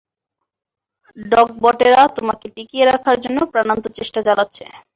ডকবটেরা তোমাকে টিকিয়ে রাখার জন্য প্রাণান্ত চেষ্টা চালাচ্ছে।